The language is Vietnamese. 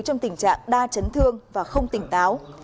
trong tình trạng đa chấn thương và không tỉnh táo